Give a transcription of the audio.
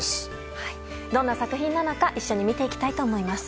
どんな作品なのか一緒に見ていきたいと思います。